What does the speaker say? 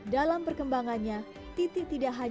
dalam perkembangannya titi tidak hanya melatih penyandang cacat